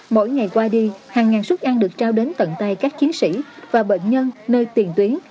mỗi ngày qua đi hàng ngàn suất ăn được trao đến tận tay các chiến sĩ và bệnh nhân nơi tiền tuyến